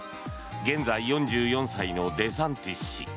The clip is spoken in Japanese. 現在、４４歳のデサンティス氏。